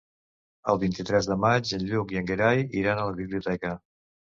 El vint-i-tres de maig en Lluc i en Gerai iran a la biblioteca.